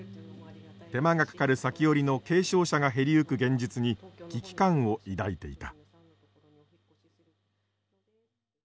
手間がかかる裂き織の継承者が減りゆく現実に危機感を抱いていた。